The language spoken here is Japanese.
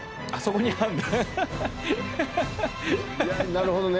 なるほどね。